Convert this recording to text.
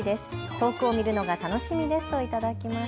遠くを見るのが楽しみですと頂きました。